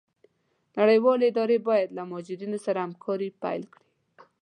نړيوالي اداري بايد له مهاجرينو سره همکاري پيل کړي.